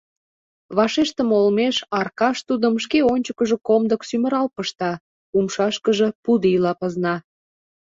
Вашештыме олмеш Аркаш тудым шке ончыкыжо комдык сӱмырал пышта, умшашкыже пудийла пызна.